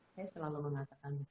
saya selalu mengatakan